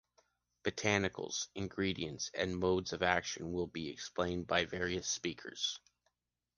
Botanicals, ingredients and modes of action will be explained by various speakers.